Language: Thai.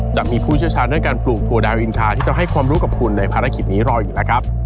ผู้เชี่ยวชาญด้านการปลูกถั่วดาวอินทาที่จะให้ความรู้กับคุณในภารกิจนี้รออยู่แล้วครับ